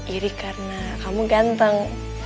iri karena kamu ganteng